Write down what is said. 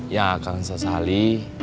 yang akan sesali